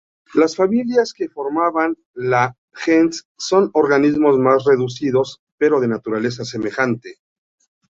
Las familias que formaban la "gens "son organismos más reducidos, pero de naturaleza semejante.